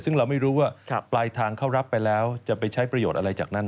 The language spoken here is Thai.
ซึ่งเราไม่รู้ว่าปลายทางเขารับไปแล้วจะไปใช้ประโยชน์อะไรจากนั้น